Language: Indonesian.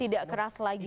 tidak keras lagi